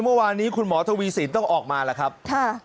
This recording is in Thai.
เมื่อวานนี้คุณหมอทวีสินต้องออกมาแล้วครับค่ะ